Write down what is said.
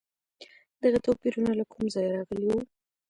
دغه توپیرونه له کوم ځایه راغلي وو؟